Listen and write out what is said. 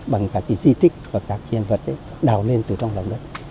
bằng các di tích và các hiện vật đào lên từ trong lòng đất